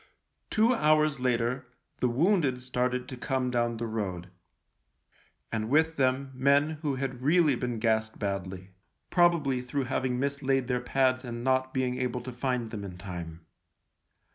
Two hours later the wounded started to come down the road, and with them men who had really been gassed badly — probably through having mislaid their pads and not being able to find them in time.